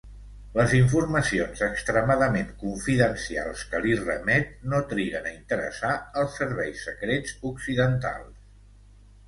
Les informacions extremadament confidencials que li remet no triguen a interessar els serveis secrets occidentals.